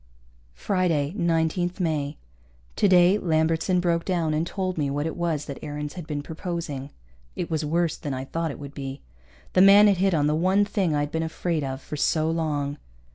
Friday, 19 May. Today Lambertson broke down and told me what it was that Aarons had been proposing. It was worse than I thought it would be. The man had hit on the one thing I'd been afraid of for so long.